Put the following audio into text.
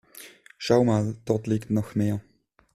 Schau mal, dort liegen noch mehr.